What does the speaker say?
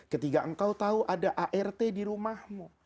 ketika engkau tahu ada art di rumahmu